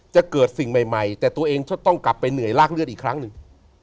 จะเกิดสิ่งใหม่แต่ตัวเองจะต้องกลับไปเหนื่อยลากเลือดอีกครั้งหนึ่ง